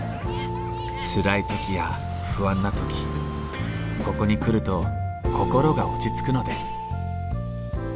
つらい時や不安な時ここに来ると心が落ち着くのです。